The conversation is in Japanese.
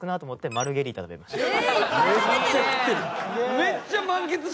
めっちゃ食ってる。